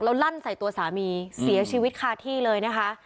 แล้วลั่นใส่ตัวสามีเสียชีวิตคาที่เลยนะคะ